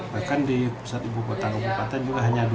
bahkan di pusat ibu kota dan umumnya juga hanya dua mmi